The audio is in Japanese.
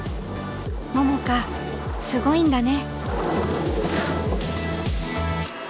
桃佳すごいんだね。